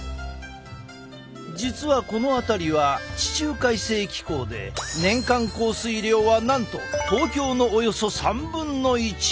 実はこの辺りは地中海性気候で年間降水量はなんと東京のおよそ３分の１。